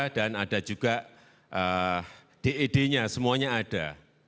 dan ada juga ded nya semuanya ada